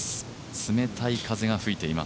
冷たい風が吹いています。